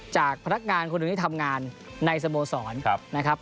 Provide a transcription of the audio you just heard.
จากพนักงานคนหนึ่งที่ทำงานในสโมสรนะครับ